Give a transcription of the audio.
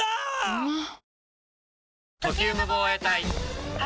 うまっ！！